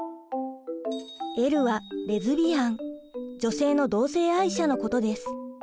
「Ｌ」はレズビアン女性の同性愛者のことです。